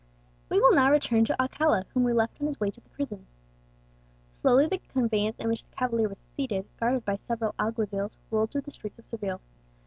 We will now return to Alcala, whom we left on his way to the prison. Slowly the conveyance in which the cavalier was seated, guarded by several alguazils, rolled through the streets of Seville.